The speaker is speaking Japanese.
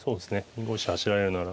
２五飛車走られるなら。